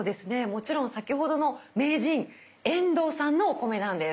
もちろん先ほどの名人遠藤さんのお米なんです。